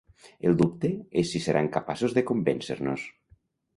El dubte és si seran capaços de convèncer-nos.